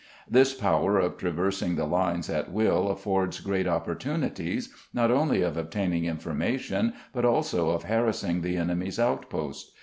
This power of traversing the lines at will affords great opportunities not only of obtaining information, but also of harassing the enemy's outposts.